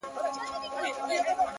لپاره دې ښار كي ملنگ اوسېږم!